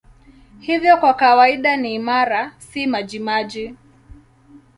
Hivyo kwa kawaida ni imara, si majimaji.